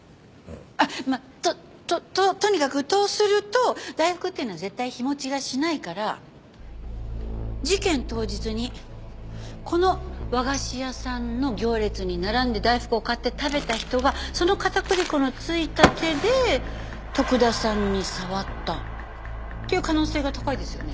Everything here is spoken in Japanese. まあととにかくとすると大福っていうのは絶対日持ちがしないから事件当日にこの和菓子屋さんの行列に並んで大福を買って食べた人がその片栗粉の付いた手で徳田さんに触ったっていう可能性が高いですよね？